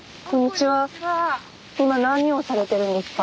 今何をされてるんですか？